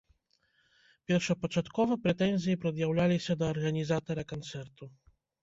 Першапачаткова прэтэнзіі прад'яўляліся да арганізатара канцэрту.